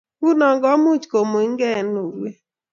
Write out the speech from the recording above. nguno komuch kemungye eng urwet